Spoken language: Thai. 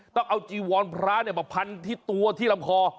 ต้องเอาจีวรพระมาพันที่ตัวที่ลำคอ